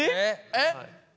えっ？